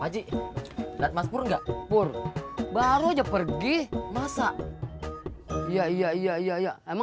haji haji dan masuknya pur baru aja pergi masak iya iya iya iya iya emang